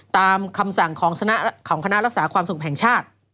ตามคำสั่งของคณะรักษาความสุขแห่งชาติ